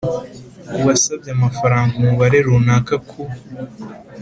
uwasabye amafaranga umubare runaka ku